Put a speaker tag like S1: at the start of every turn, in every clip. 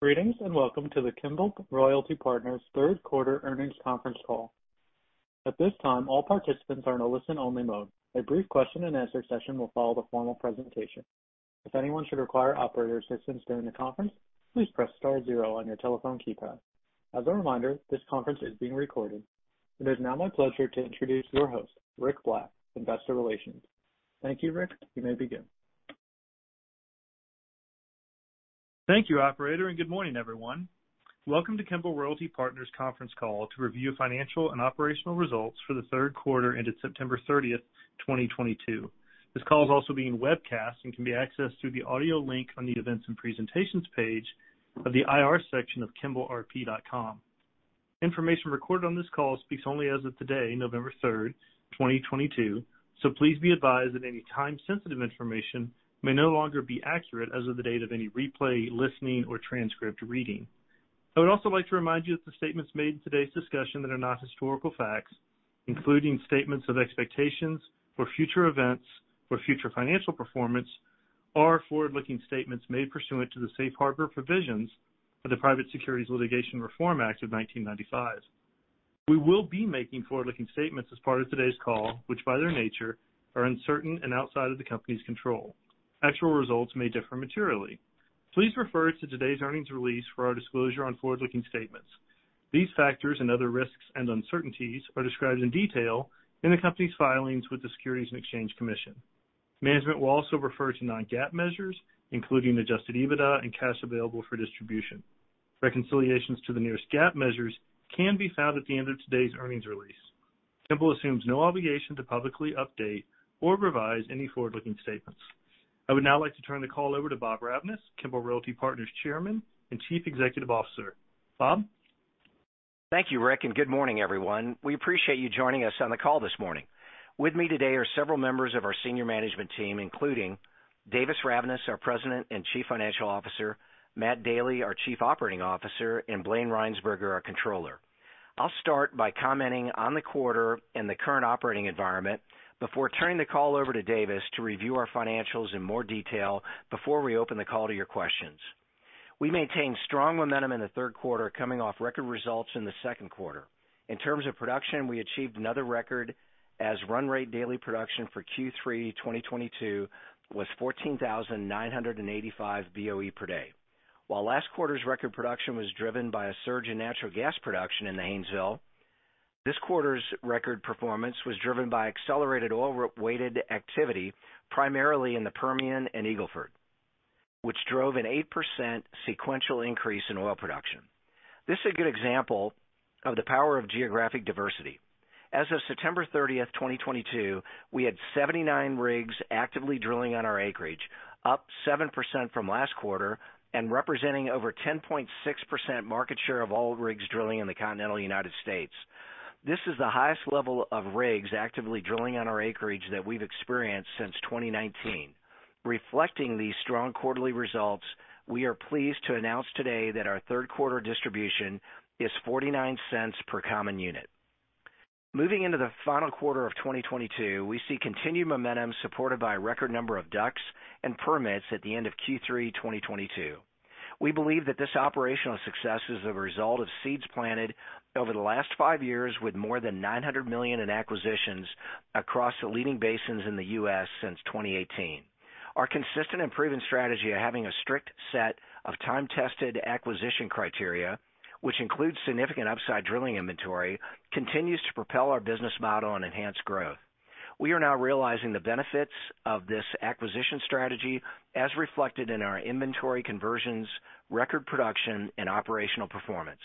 S1: Greetings, and welcome to the Kimbell Royalty Partners Third Quarter Earnings Conference Call. At this time, all participants are in a listen-only mode. A brief question-and-answer session will follow the formal presentation. If anyone should require operator assistance during the conference, please press star zero on your telephone keypad. As a reminder, this conference is being recorded. It is now my pleasure to introduce your host, Rick Black, Investor Relations. Thank you, Rick. You may begin.
S2: Thank you, operator, and good morning, everyone. Welcome to Kimbell Royalty Partners conference call to review financial and operational results for the third quarter ended September 30th, 2022. This call is also being webcast and can be accessed through the audio link on the Events and Presentations page of the IR section of kimbellrp.com. Information recorded on this call speaks only as of today, November 3rd, 2022. Please be advised that any time-sensitive information may no longer be accurate as of the date of any replay, listening, or transcript reading. I would also like to remind you that the statements made in today's discussion that are not historical facts, including statements of expectations for future events or future financial performance, are forward-looking statements made pursuant to the Safe Harbor Provisions of the Private Securities Litigation Reform Act of 1995. We will be making forward-looking statements as part of today's call, which, by their nature, are uncertain and outside of the company's control. Actual results may differ materially. Please refer to today's earnings release for our disclosure on forward-looking statements. These factors and other risks and uncertainties are described in detail in the company's filings with the Securities and Exchange Commission. Management will also refer to non-GAAP measures, including adjusted EBITDA and cash available for distribution. Reconciliations to the nearest GAAP measures can be found at the end of today's earnings release. Kimbell assumes no obligation to publicly update or revise any forward-looking statements. I would now like to turn the call over to Bob Ravnaas, Kimbell Royalty Partners' Chairman and Chief Executive Officer. Bob?
S3: Thank you, Rick, and good morning, everyone. We appreciate you joining us on the call this morning. With me today are several members of our senior management team, including Davis Ravnaas, our President and Chief Financial Officer, Matt Daly, our Chief Operating Officer, and Blayne Rhynsburger, our Controller. I'll start by commenting on the quarter and the current operating environment before turning the call over to Davis to review our financials in more detail before we open the call to your questions. We maintained strong momentum in the third quarter, coming off record results in the second quarter. In terms of production, we achieved another record as run rate daily production for Q3 2022 was 14,985 BOE per day. While last quarter's record production was driven by a surge in natural gas production in the Haynesville, this quarter's record performance was driven by accelerated oil-weighted activity, primarily in the Permian and Eagle Ford, which drove an 8% sequential increase in oil production. This is a good example of the power of geographic diversity. As of September 30th, 2022, we had 79 rigs actively drilling on our acreage, up 7% from last quarter and representing over 10.6% market share of all rigs drilling in the continental United States. This is the highest level of rigs actively drilling on our acreage that we've experienced since 2019. Reflecting these strong quarterly results, we are pleased to announce today that our third quarter distribution is $0.49 per common unit. Moving into the final quarter of 2022, we see continued momentum supported by a record number of DUCs and permits at the end of Q3 2022. We believe that this operational success is a result of seeds planted over the last five years with more than $900 million in acquisitions across the leading basins in the U.S. since 2018. Our consistent and proven strategy of having a strict set of time-tested acquisition criteria, which includes significant upside drilling inventory, continues to propel our business model and enhance growth. We are now realizing the benefits of this acquisition strategy as reflected in our inventory conversions, record production, and operational performance.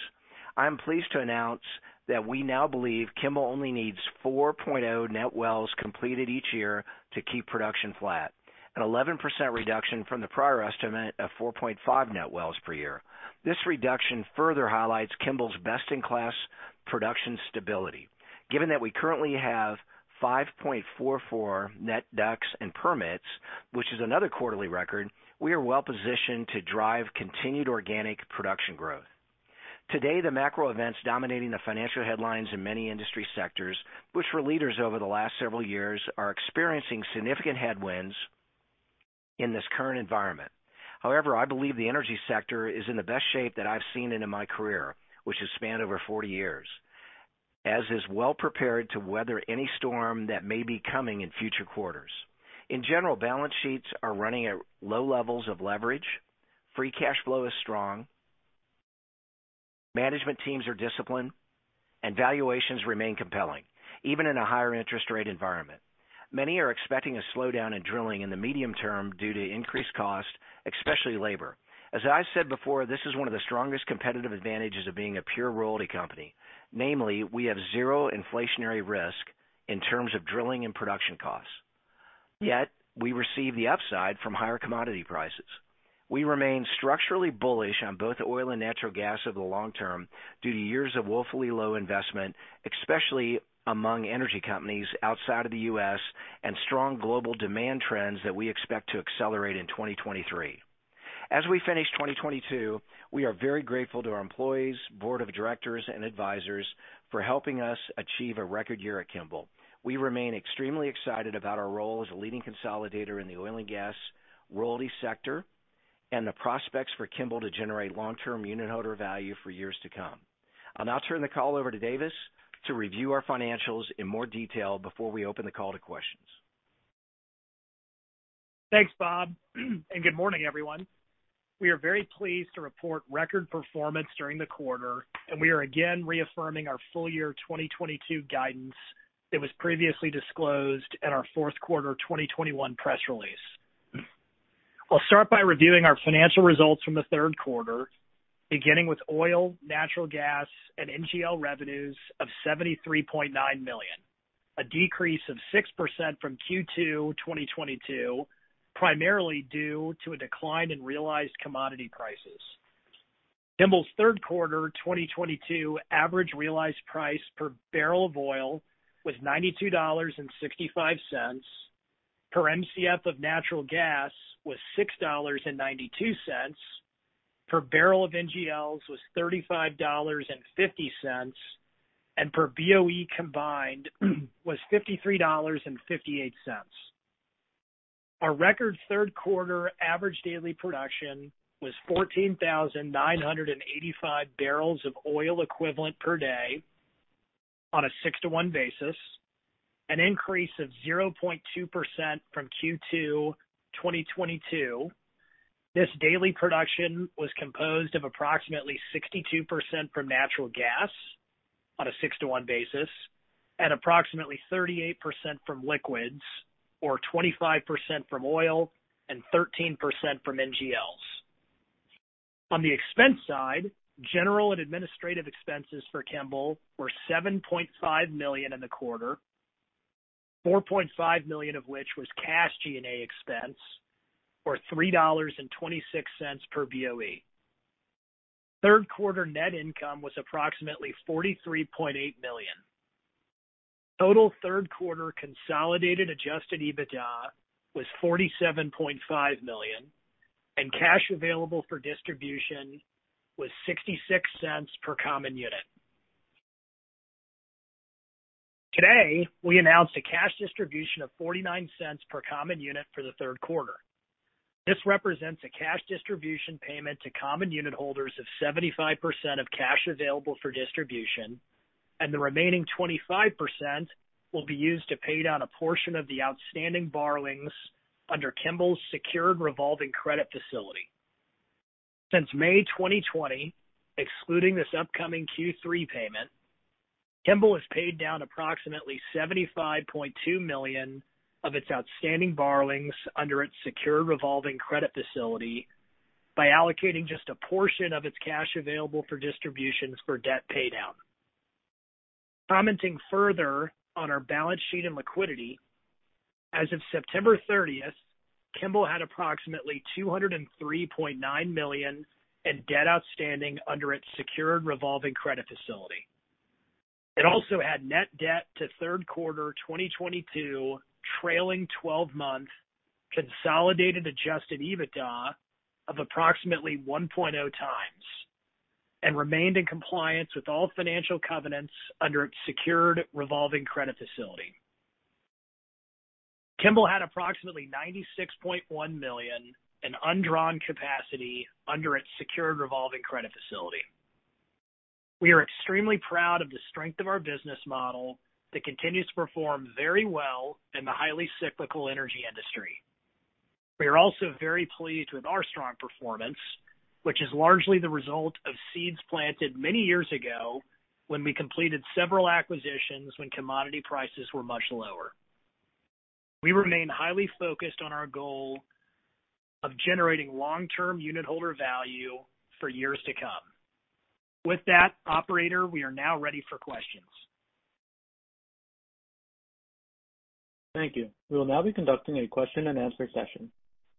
S3: I am pleased to announce that we now believe Kimbell only needs 4.0 net wells completed each year to keep production flat, an 11% reduction from the prior estimate of 4.5 net wells per year. This reduction further highlights Kimbell's best-in-class production stability. Given that we currently have 5.44 net DUCs and permits, which is another quarterly record, we are well positioned to drive continued organic production growth. Today, the macro events dominating the financial headlines in many industry sectors, which were leaders over the last several years, are experiencing significant headwinds in this current environment. However, I believe the energy sector is in the best shape that I've seen it in my career, which has spanned over 40 years, and is well prepared to weather any storm that may be coming in future quarters. In general, balance sheets are running at low levels of leverage, free cash flow is strong, management teams are disciplined, and valuations remain compelling, even in a higher interest rate environment. Many are expecting a slowdown in drilling in the medium term due to increased cost, especially labor. As I said before, this is one of the strongest competitive advantages of being a pure royalty company. Namely, we have zero inflationary risk in terms of drilling and production costs, yet we receive the upside from higher commodity prices. We remain structurally bullish on both oil and natural gas over the long term due to years of woefully low investment, especially among energy companies outside of the U.S. and strong global demand trends that we expect to accelerate in 2023. As we finish 2022, we are very grateful to our employees, Board of Directors, and advisors for helping us achieve a record year at Kimbell. We remain extremely excited about our role as a leading consolidator in the oil and gas royalty sector. The prospects for Kimbell to generate long-term unit holder value for years to come. I'll now turn the call over to Davis to review our financials in more detail before we open the call to questions.
S4: Thanks, Bob. Good morning, everyone. We are very pleased to report record performance during the quarter, and we are again reaffirming our full-year 2022 guidance that was previously disclosed in our fourth quarter 2021 press release. I'll start by reviewing our financial results from the third quarter, beginning with oil, natural gas, and NGL revenues of $73.9 million, a decrease of 6% from Q2 2022, primarily due to a decline in realized commodity prices. Kimbell's third quarter 2022 average realized price per barrel of oil was $92.65, per Mcf of natural gas was $6.92, per barrel of NGLs was $35.50, and per BOE combined, was $53.58. Our record third quarter average daily production was 14,985 bbl of oil equivalent per day on a 6:1 basis, an increase of 0.2% from Q2 2022. This daily production was composed of approximately 62% from natural gas on a 6:1 basis and approximately 38% from liquids, or 25% from oil and 13% from NGLs. On the expense side, general and administrative expenses for Kimbell were $7.5 million in the quarter, $4.5 million of which was cash G&A expense or $3.26 per BOE. Third quarter net income was approximately $43.8 million. Total third quarter consolidated adjusted EBITDA was $47.5 million, and cash available for distribution was $0.66 per common unit. Today, we announced a cash distribution of $0.49 per common unit for the third quarter. This represents a cash distribution payment to common unit holders of 75% of cash available for distribution, and the remaining 25% will be used to pay down a portion of the outstanding borrowings under Kimbell's secured revolving credit facility. Since May 2020, excluding this upcoming Q3 payment, Kimbell has paid down approximately $75.2 million of its outstanding borrowings under its secured revolving credit facility by allocating just a portion of its cash available for distributions for debt paydown. Commenting further on our balance sheet and liquidity, as of September 30th, Kimbell had approximately $203.9 million in debt outstanding under its secured revolving credit facility. It also had net debt to third quarter 2022 trailing 12-month consolidated adjusted EBITDA of approximately 1.0x and remained in compliance with all financial covenants under its secured revolving credit facility. Kimbell had approximately $96.1 million in undrawn capacity under its secured revolving credit facility. We are extremely proud of the strength of our business model that continues to perform very well in the highly cyclical energy industry. We are also very pleased with our strong performance, which is largely the result of seeds planted many years ago when we completed several acquisitions when commodity prices were much lower. We remain highly focused on our goal of generating long-term unit holder value for years to come. With that, operator, we are now ready for questions.
S1: Thank you. We will now be conducting a question-and-answer session.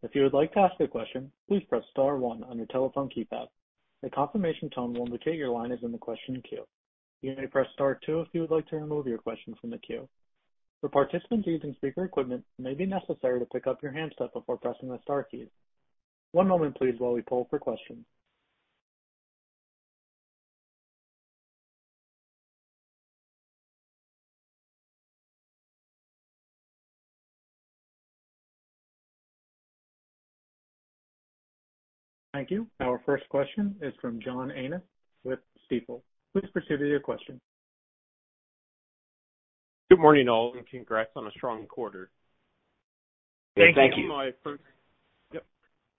S1: If you would like to ask a question, please press star one on your telephone keypad. A confirmation tone will indicate your line is in the question queue. You may press star two if you would like to remove your question from the queue. For participants using speaker equipment, it may be necessary to pick up your handset before pressing the star keys. One moment please while we poll for questions. Thank you. Our first question is from John Annis with Stifel. Please proceed with your question.
S5: Good morning, all, and congrats on a strong quarter.
S4: Thank you.
S3: Thank you.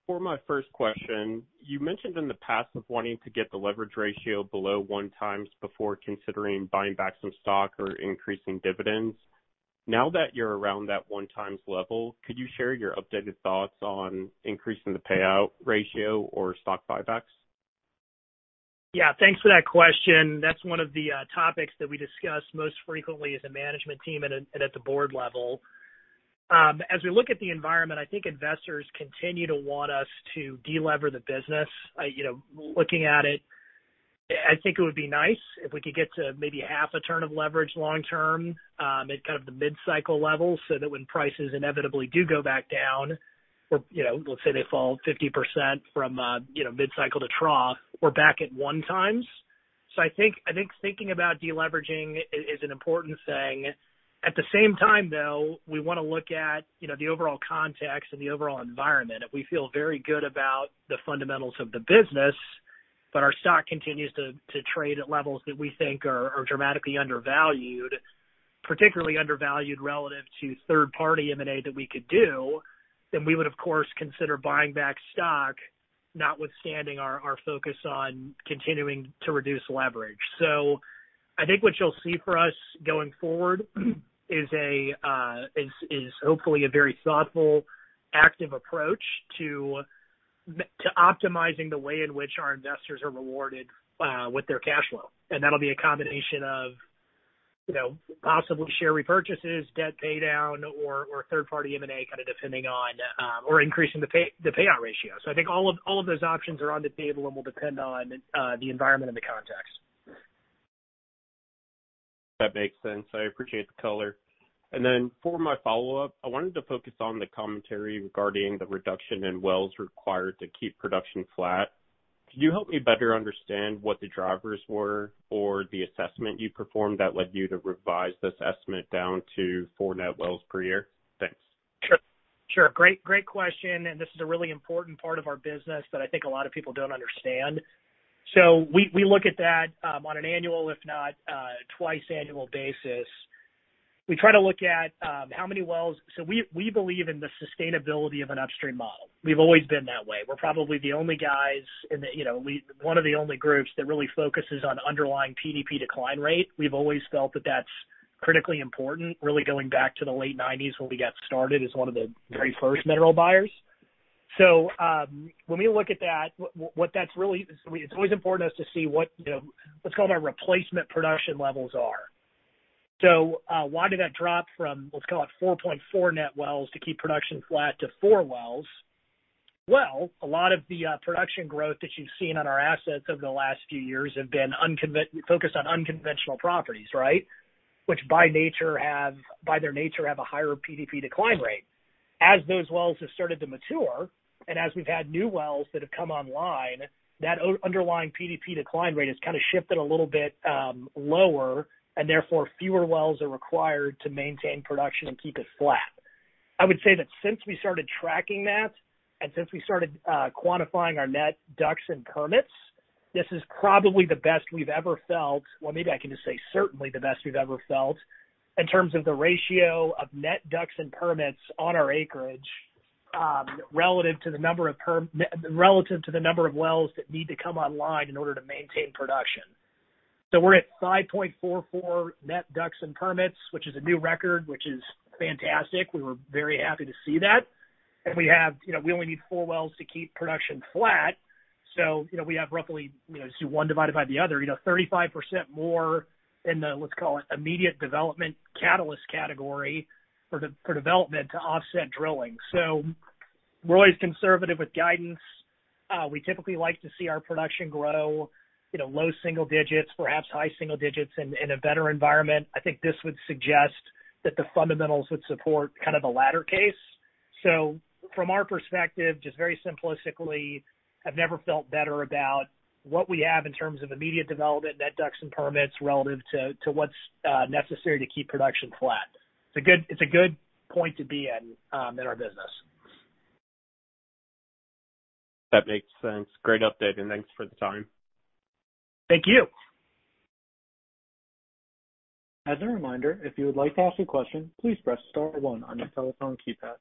S5: For my first question, you mentioned in the past of wanting to get the leverage ratio below 1x before considering buying back some stock or increasing dividends. Now that you're around that 1x level, could you share your updated thoughts on increasing the payout ratio or stock buybacks?
S4: Yeah, thanks for that question. That's one of the topics that we discuss most frequently as a management team and at the board level. As we look at the environment, I think investors continue to want us to de-lever the business. You know, looking at it, I think it would be nice if we could get to maybe half a turn of leverage long term, at kind of the mid-cycle level, so that when prices inevitably do go back down or, you know, let's say they fall 50% from, you know, mid-cycle to trough, we're back at 1x. I think thinking about de-leveraging is an important thing. At the same time, though, we wanna look at, you know, the overall context and the overall environment. If we feel very good about the fundamentals of the business, but our stock continues to trade at levels that we think are dramatically undervalued, particularly undervalued relative to third party M&A that we could do, then we would of course consider buying back stock notwithstanding our focus on continuing to reduce leverage. I think what you'll see for us going forward is hopefully a very thoughtful, active approach to optimizing the way in which our investors are rewarded with their cash flow. That'll be a combination of, you know, possibly share repurchases, debt pay down or third party M&A kinda depending on or increasing the payout ratio. I think all of those options are on the table and will depend on the environment and the context.
S5: That makes sense. I appreciate the color. For my follow-up, I wanted to focus on the commentary regarding the reduction in wells required to keep production flat. Can you help me better understand what the drivers were or the assessment you performed that led you to revise this estimate down to 4 net wells per year? Thanks.
S4: Sure. Great question, and this is a really important part of our business that I think a lot of people don't understand. We look at that on an annual if not twice annual basis. We believe in the sustainability of an upstream model. We've always been that way. We're probably the only guys in the, you know, one of the only groups that really focuses on underlying PDP decline rate. We've always felt that that's critically important, really going back to the late 1990s when we got started as one of the very first mineral buyers. When we look at that, it's always important to us to see what, you know, what's called our replacement production levels are. Why did that drop from, let's call it 4.4 net wells to keep production flat to 4 wells, well a lot of the production growth that you've seen on our assets over the last few years have been focused on unconventional properties, right? Which by nature have by their nature, have a higher PDP decline rate. As those wells have started to mature, and as we've had new wells that have come online, that underlying PDP decline rate has kinda shifted a little bit lower and therefore fewer wells are required to maintain production and keep us flat. I would say that since we started tracking that, and since we started quantifying our net DUCs and permits, this is probably the best we've ever felt. Well, maybe I can just say certainly the best we've ever felt in terms of the ratio of net DUCs and permits on our acreage, relative to the number of wells that need to come online in order to maintain production. We're at 5.44 net DUCs and permits, which is a new record, which is fantastic. We were very happy to see that. We have you know, we only need 4 wells to keep production flat. You know, we have roughly, you know, just do one divided by the other, you know, 35% more in the, let's call it, immediate development catalyst category for development to offset drilling. We're always conservative with guidance. We typically like to see our production grow, you know, low single-digits, perhaps high single-digits in a better environment. I think this would suggest that the fundamentals would support kind of the latter case. From our perspective, just very simplistically, I've never felt better about what we have in terms of immediate development, net DUCs and permits relative to what's necessary to keep production flat. It's a good point to be in our business.
S5: That makes sense. Great update, and thanks for the time.
S4: Thank you.
S1: As a reminder, if you would like to ask a question, please press star one on your telephone keypad.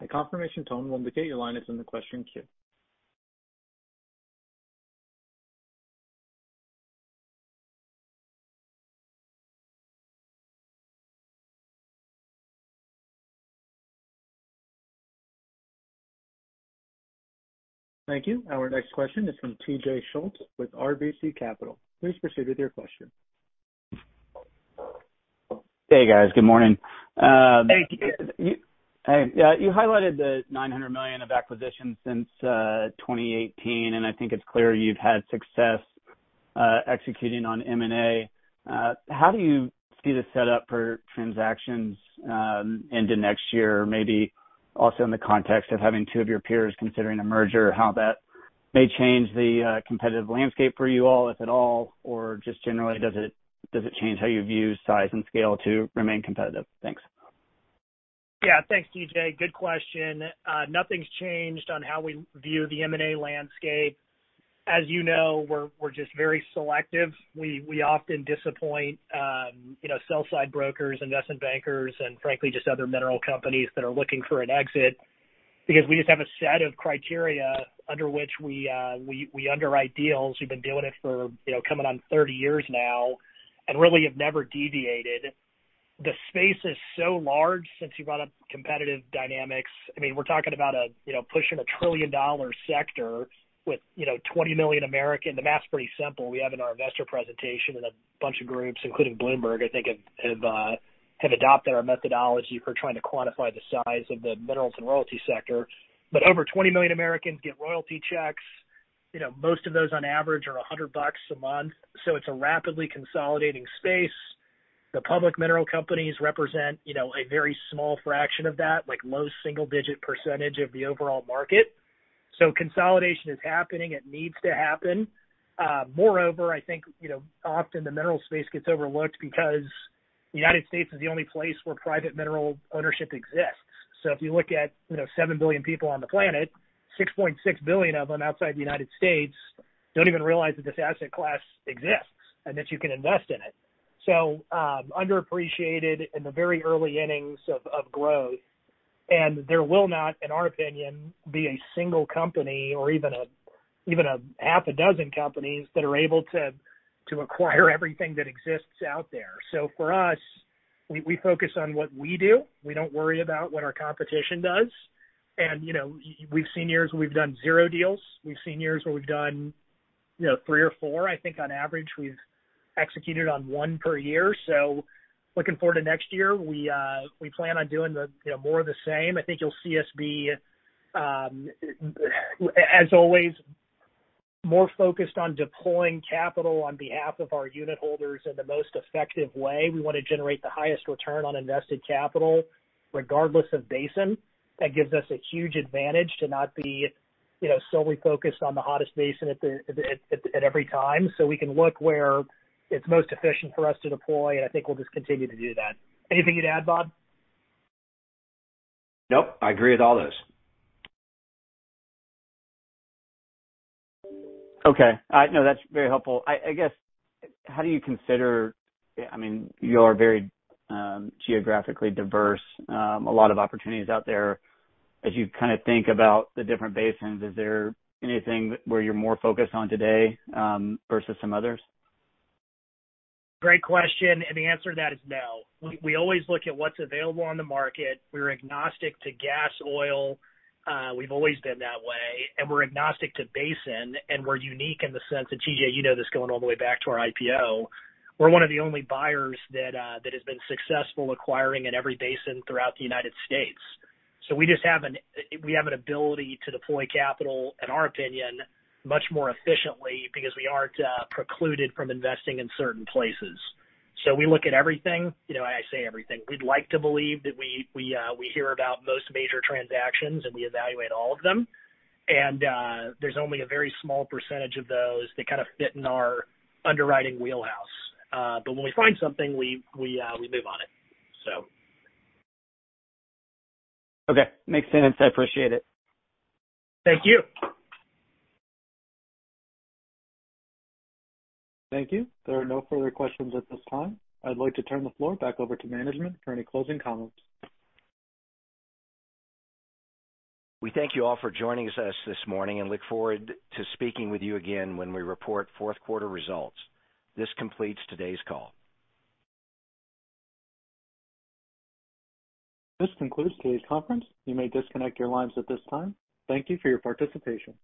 S1: A confirmation tone will indicate your line is in the question queue. Thank you. Our next question is from TJ Schultz with RBC Capital. Please proceed with your question.
S6: Hey, guys. Good morning.
S4: Thank you.
S6: Hey. Yeah, you highlighted the $900 million of acquisitions since 2018, and I think it's clear you've had success executing on M&A. How do you see the setup for transactions into next year? Maybe also in the context of having two of your peers considering a merger, how that may change the competitive landscape for you all, if at all, or just generally, does it change how you view size and scale to remain competitive? Thanks.
S4: Yeah. Thanks, TJ. Good question. Nothing's changed on how we view the M&A landscape. As you know, we're just very selective. We often disappoint, you know, sell-side brokers, investment bankers, and frankly, just other mineral companies that are looking for an exit because we just have a set of criteria under which we underwrite deals. We've been doing it for, you know, coming on 30 years now and really have never deviated. The space is so large since you brought up competitive dynamics. I mean, we're talking about a, you know, pushing a trillion-dollar sector with, you know, 20 million Americans. The math's pretty simple. We have in our Investor presentation, and a bunch of groups, including Bloomberg, I think have adopted our methodology for trying to quantify the size of the minerals and royalty sector. Over 20 million Americans get royalty checks. You know, most of those on average are $100 a month. It's a rapidly consolidating space. The public mineral companies represent, you know, a very small fraction of that, like low single-digit percentage of the overall market. Consolidation is happening. It needs to happen. Moreover, I think, you know, often the mineral space gets overlooked because the United States is the only place where private mineral ownership exists. If you look at, you know, 7 billion people on the planet, 6.6 billion of them outside the United States don't even realize that this asset class exists and that you can invest in it. Underappreciated in the very early innings of growth, there will not, in our opinion, be a single company or even a half a dozen companies that are able to acquire everything that exists out there. For us, we focus on what we do. We don't worry about what our competition does. You know, we've seen years where we've done zero deals. We've seen years where we've done, you know, three or four. I think on average, we've executed on one per year. Looking forward to next year, we plan on doing, you know, more of the same. I think you'll see us be, as always, more focused on deploying capital on behalf of our unitholders in the most effective way. We wanna generate the highest return on invested capital, regardless of basin. That gives us a huge advantage to not be, you know, solely focused on the hottest basin at every time. So we can look where it's most efficient for us to deploy, and I think we'll just continue to do that. Anything to add, Bob?
S3: Nope. I agree with all this.
S6: Okay. No, that's very helpful. I guess, how do you consider, I mean, you are very geographically diverse, a lot of opportunities out there. As you kinda think about the different basins, is there anything where you're more focused on today, versus some others?
S4: Great question. The answer to that is no. We always look at what's available on the market. We're agnostic to gas, oil. We've always been that way. We're agnostic to basin, and we're unique in the sense that, TJ, you know this going all the way back to our IPO, we're one of the only buyers that has been successful acquiring in every basin throughout the United States. So we have an ability to deploy capital, in our opinion, much more efficiently because we aren't precluded from investing in certain places. We look at everything. You know, I say everything. We'd like to believe that we hear about most major transactions and we evaluate all of them. There's only a very small percentage of those that kind of fit in our underwriting wheelhouse. When we find something, we move on it.
S6: Okay. Makes sense. I appreciate it.
S4: Thank you.
S1: Thank you. There are no further questions at this time. I'd like to turn the floor back over to management for any closing comments.
S3: We thank you all for joining us this morning and look forward to speaking with you again when we report fourth quarter results. This completes today's call.
S1: This concludes today's conference. You may disconnect your lines at this time. Thank you for your participation.